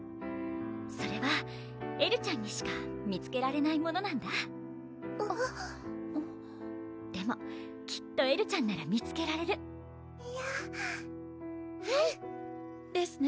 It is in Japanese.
それはエルちゃんにしか見つけられないものなんだでもきっとエルちゃんなら見つけられるはいうんですね・